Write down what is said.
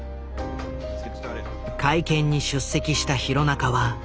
会見に出席した弘中はと主張。